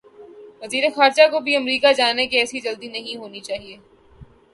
وزیر خارجہ کو بھی امریکہ جانے کی ایسی جلدی نہیں ہونی چاہیے۔